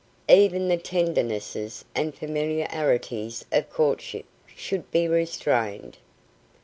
Even the tendernesses and familiarities of courtship should be restrained.